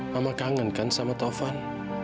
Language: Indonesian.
mama kangen kan sama taufan